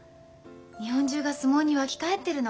日本中が相撲に沸き返ってるの。